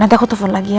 nanti aku telfon lagi ya